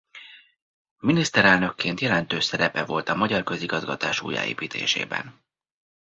Miniszterelnökként jelentős szerepe volt a magyar közigazgatás újjáépítésében.